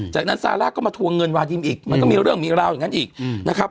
จากนั้นซาร่าก็มาทวงเงินวาดิมอีกมันก็มีเรื่องมีราวอย่างนั้นอีกนะครับ